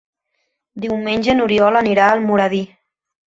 Diumenge n'Oriol anirà a Almoradí.